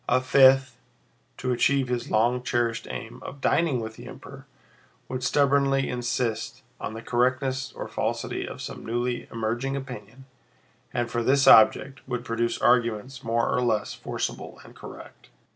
A fifth, to achieve his long cherished aim of dining with the Emperor, would stubbornly insist on the correctness or falsity of some newly emerging opinion and for this object would produce arguments more or less forcible and correct.